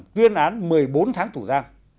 tuyên án một mươi bốn tháng thủ giam